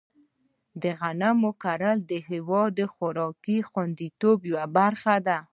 د غنمو کرنه د هېواد د خوراکي خوندیتوب یوه برخه ده.